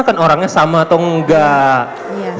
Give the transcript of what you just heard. sekarang anda bilang beda lagi